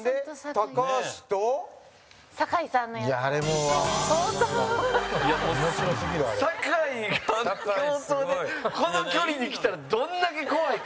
高橋：酒井が、あの形相でこの距離で来たらどんだけ怖いか。